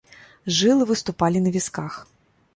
Жылы выступалі на вісках.